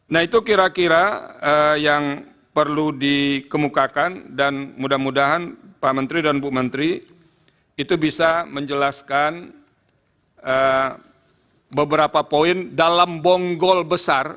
nah itu kira kira yang perlu dikemukakan dan mudah mudahan pak menteri dan bu menteri itu bisa menjelaskan beberapa poin dalam bonggol besar